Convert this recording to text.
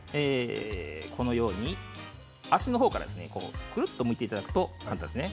このように脚の方からくるっとむいていただくと簡単ですね。